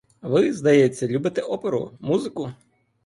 Ви, здається, любите оперу, музику?